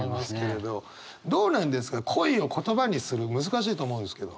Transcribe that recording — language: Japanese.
どうなんですか恋を言葉にする難しいと思うんですけど。